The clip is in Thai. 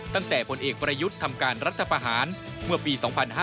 ตั้งแต่ผลเอกประยุทธ์ทำการรัฐประหารเมื่อปี๒๕๕๙